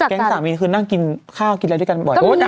แก๊งสามีคือนั่งกินข้าวกินอะไรด้วยกันบ่อย